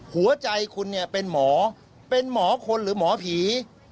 หัวใจคุณเนี่ยเป็นหมอเป็นหมอคนหรือหมอผี